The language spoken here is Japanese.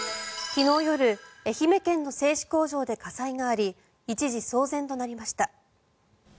昨日夜愛媛県の製紙工場で火災があり一時、騒然となりました。